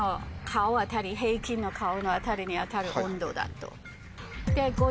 平均の顔の辺りに当たる温度だと。